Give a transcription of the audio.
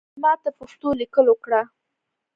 ماته پښتو لیکل اوکړه